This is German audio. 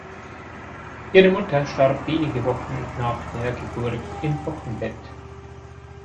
Ihre Mutter starb wenige Wochen nach der Geburt im Wochenbett.